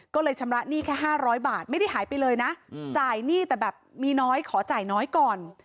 ก็เลยชำระหนี้แค่๕๐๐บาทไม่ได้หายไปเลยนะจ่ายหนี้แต่แบบมีน้อยขอจ่ายน้อยก่อน